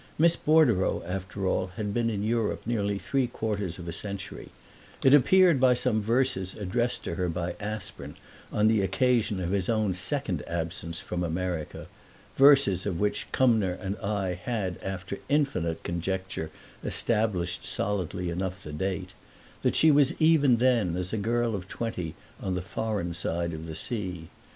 Miss Bordereau, after all, had been in Europe nearly three quarters of a century; it appeared by some verses addressed to her by Aspern on the occasion of his own second absence from America verses of which Cumnor and I had after infinite conjecture established solidly enough the date that she was even then, as a girl of twenty, on the foreign side of the sea.